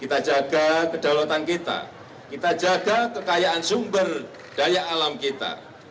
kita jaga kedaulatan kita kita jaga kekayaan sumber daya alam kita